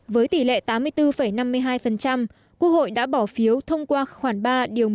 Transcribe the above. với tỷ lệ tám mươi bốn năm mươi hai quốc hội đã bỏ phiếu thông qua khoản ba điều một mươi